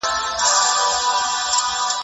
د یار په غېږه کې نیولی مړ شي.